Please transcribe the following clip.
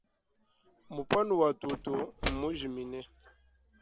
Muhanu wa tutu mnujimine.